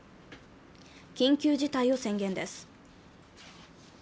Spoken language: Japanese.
緊急事態を宣言です。